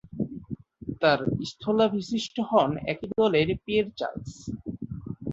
তার স্থলাভিষিক্ত হন একই দলের পিয়ের চার্লস।